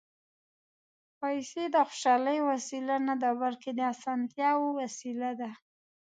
پېسې د خوشالۍ وسیله نه ده، بلکې د اسانتیا وسیله ده.